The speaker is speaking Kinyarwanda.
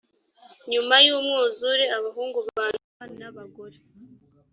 nyuma y umwuzure abahungu ba nowa n abagore